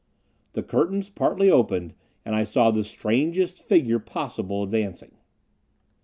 The curtains partly opened, and I saw the strangest figure possible advancing.